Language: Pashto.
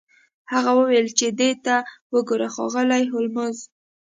هغه وویل چې دې ته وګوره ښاغلی هولمز